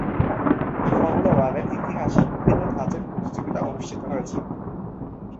Formula ওয়ানের ইতিহাসে বিভিন্ন ধাঁচের প্রতিযোগিতা অনুষ্ঠিত হয়েছে।